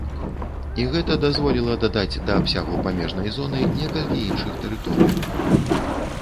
І гэта дазволіла дадаць да абсягу памежнай зоны некалькі іншых тэрыторый.